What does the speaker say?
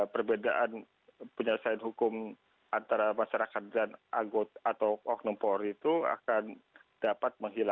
perbedaan penyelesaian hukum antara masyarakat dan atau oknum polri itu akan dapat menghilangkan